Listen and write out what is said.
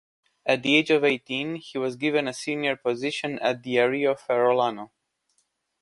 At the age of eighteen he was given a senior position at "Diario Ferrolano".